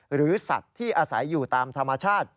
หรือสัตว์ที่อาศัยอยู่ตามธรรมชาติ